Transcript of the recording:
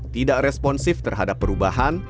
tidak responsif terhadap perubahan